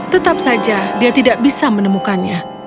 tetap saja dia tidak bisa menemukannya